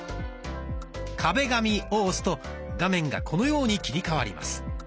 「壁紙」を押すと画面がこのように切り替わります。